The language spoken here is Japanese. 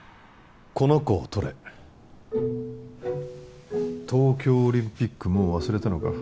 この子をとれ東京オリンピックもう忘れたのか？